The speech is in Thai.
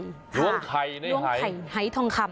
ล้วงไข่ในหายหายทองคำ